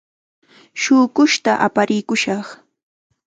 Shuqushta aparikushaq.